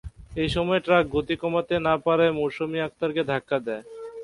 এ সময় ট্রাক গতি কমাতে না পারায় মৌসুমী আক্তারকে ধাক্কা দেয়।